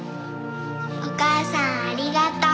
お母さんありがとう。